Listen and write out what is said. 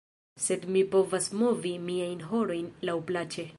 Sed mi povas movi miajn horojn laŭ plaĉe